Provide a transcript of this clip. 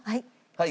はい。